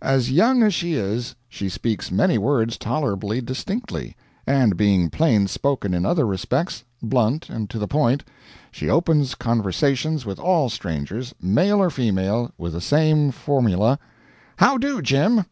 As young as she is, she speaks many words tolerably distinctly; and being plainspoken in other respects, blunt and to the point, she opens conversation with all strangers, male or female, with the same formula, "How do, Jim?"